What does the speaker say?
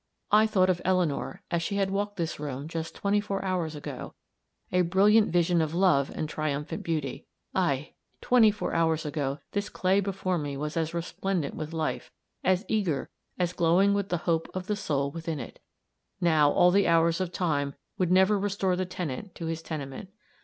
I thought of Eleanor, as she had walked this room just twenty four hours ago, a brilliant vision of love and triumphant beauty. Ay! twenty four hours ago this clay before me was as resplendent with life, as eager, as glowing with the hope of the soul within it! Now, all the hours of time would never restore the tenant to his tenement.